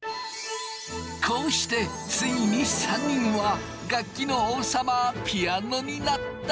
こうしてついに３人は楽器の王様ピアノになった！